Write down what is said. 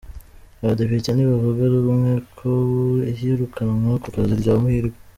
Abadepite ntibavuga rumwe ku iyirukanwa ku kazi rya Muhirwe